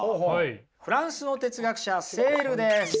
フランスの哲学者セールです。